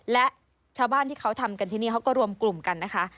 และชาวบ้านที่เขาทำกันที่นี่เขาก็รวมกลุ่มกันนะคะ